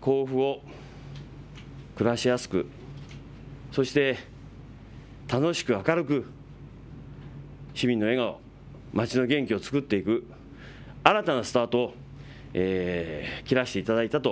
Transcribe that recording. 甲府を暮らしやすく、そして楽しく明るく、市民の笑顔、まちの元気をつくっていく、新たなスタートを切らしていただいたと。